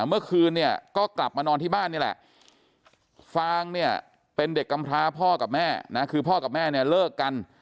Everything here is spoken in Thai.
เมื่อคืนเนี่ยก็กลับมานอนที่บ้านนี่แหละฟางเนี่ยเป็นเด็กกำพร้าพ่อกับแม่นะคือพ่อกับแม่เนี่ยเลิกกัน